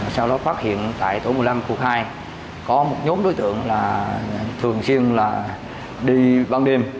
sau đó phát hiện tại tổ một mươi năm khu hai có một nhóm đối tượng thường xuyên đi ban đêm